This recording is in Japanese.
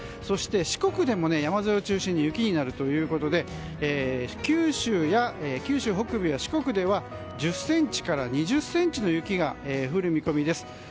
そして四国でも山沿いを中心に雪になるということで九州北部や四国では１０ｃｍから２０ｃｍの雪が降る見込みです。